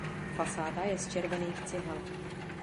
Fasáda je z červených cihel.